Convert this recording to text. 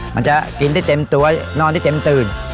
มันจะกินได้เต็มตัวนอนได้เต็มตื่น